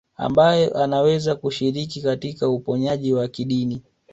Ambaye anaweza kushiriki katika uponyaji wa kidini